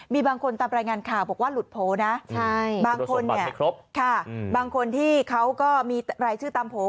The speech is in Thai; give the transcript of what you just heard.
มีบางคนตามรายงานข่าวบอกว่าหลุดโผล่นะบางคนเนี่ยค่ะบางคนที่เขาก็มีรายชื่อตามโผล่